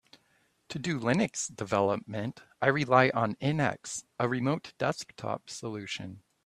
To do Linux development, I rely on NX, a remote desktop solution.